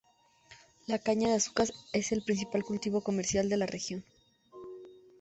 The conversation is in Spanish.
La caña de azúcar es el principal cultivo comercial de la región.